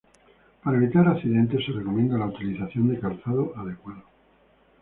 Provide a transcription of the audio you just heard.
Para evitar accidentes se recomienda la utilización de calzado adecuado.